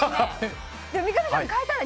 でも三上さん、変えたら？